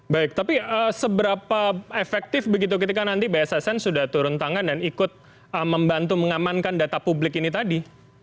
baik tapi seberapa efektif begitu ketika nanti bssn sudah turun tangan dan ikut membantu mengamankan data publik ini tadi